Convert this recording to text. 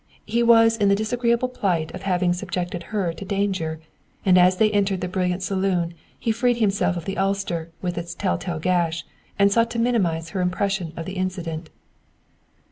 He was in the disagreeable plight of having subjected her to danger, and as they entered the brilliant saloon he freed himself of the ulster with its telltale gash and sought to minimize her impression of the incident.